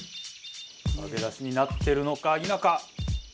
揚げ出しになってるのか否か。